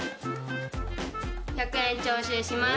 １００円徴収します。